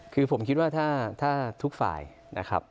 คือผมคิดว่าถ้าทุกฝ่ายนะครับ